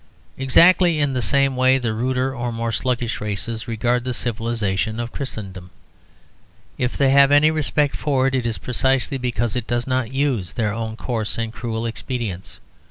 Exactly in the same way the ruder or more sluggish races regard the civilisation of Christendom. If they have any respect for it, it is precisely because it does not use their own coarse and cruel expedients.